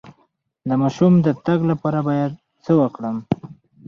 د ماشوم د تګ لپاره باید څه وکړم؟